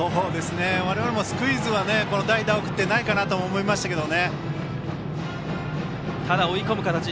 我々もスクイズは代打を送ってないかなと思いましたけど。